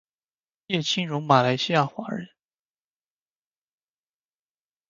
叶清荣马来西亚华人。